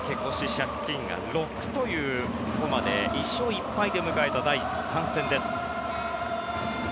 借金が６というここまで１勝１敗で迎えた第３戦です。